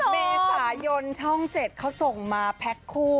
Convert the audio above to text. เมษายนช่อง๗เขาส่งมาแพ็คคู่